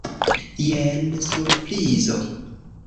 Jen surprizo!